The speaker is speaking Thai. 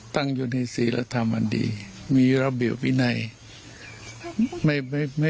อ๋อยังเป็นพระนึงใช่ไหม